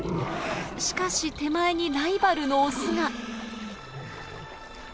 しかし手前にライバルのオスが。